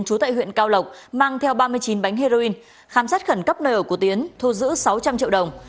trú tại huyện cao lộc mang theo ba mươi chín bánh heroin khám xét khẩn cấp nơi ở của tiến thu giữ sáu trăm linh triệu đồng